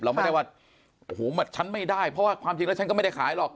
เราไม่ได้ว่าโอ้โหฉันไม่ได้เพราะว่าความจริงแล้วฉันก็ไม่ได้ขายหรอก